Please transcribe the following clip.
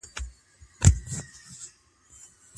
له ميرمني سره د هغې عمه په نکاح کي جمع کول څنګه دي؟